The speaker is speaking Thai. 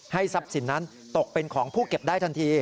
ทรัพย์สินนั้นตกเป็นของผู้เก็บได้ทันที